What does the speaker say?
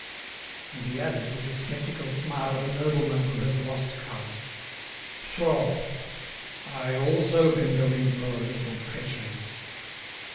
And he added, with the sceptical smile of a nobleman who has lost caste: "Pshaw! I also can go in for a little treachery!"